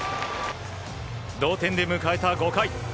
同点で迎えた５回。